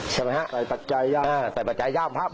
ใช่ไหมฮะใส่ปัจจัยย่ามพระ